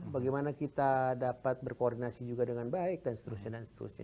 bagaimana kita dapat berkoordinasi juga dengan baik dan seterusnya